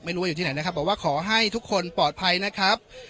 อยู่ที่ว่าอยู่ที่ไหนนะครับบอกว่าขอให้ทุกคนปลอดภัยนะครับ